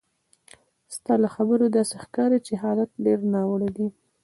ستا له خبرو داسې ښکاري چې حالات ډېر ناوړه دي.